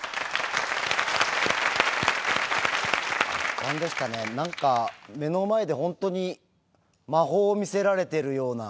なんですかね、なんか目の前で本当に、魔法を見せられているような。